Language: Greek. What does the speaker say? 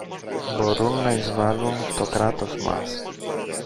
μπορούν να εισβάλουν στο Κράτος μας.